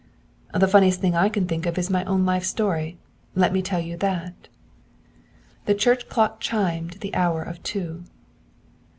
'The funniest thing I can think of is my own life story. Let me tell you that.' The church clock chimed the hour of two.